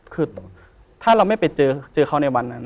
คือถ้าเราไม่ไปเจอเขาในวันนั้น